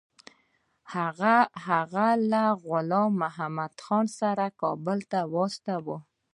هغه له غلام محمدخان سره کابل ته واستاوه.